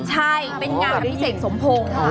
ใช่เป็นงานอภิเษกสมพงศ์